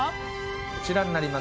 こちらになります。